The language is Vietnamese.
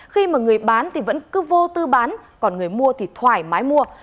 khi mà người bán thì vẫn cứ vô tư bán còn người mua thì thoải mái mua